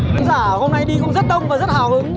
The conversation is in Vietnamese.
khán giả hôm nay đi cũng rất đông và rất hào hứng